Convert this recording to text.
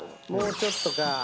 もうちょっとか。